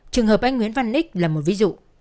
trường hợp anh nguyễn văn ních là một ví dụ